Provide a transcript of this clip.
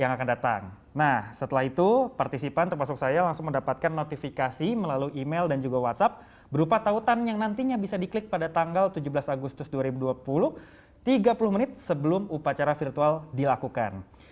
yang akan datang nah setelah itu partisipan termasuk saya langsung mendapatkan notifikasi melalui email dan juga whatsapp berupa tautan yang nantinya bisa diklik pada tanggal tujuh belas agustus dua ribu dua puluh tiga puluh menit sebelum upacara virtual dilakukan